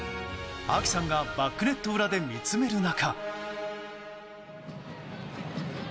ＡＫＩさんがバックネット裏で見つめる中。